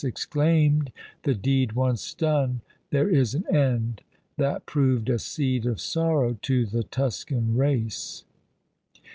exclaim'd 'The deed once done, there is an end' that proved A seed of sorrow to the Tuscan race."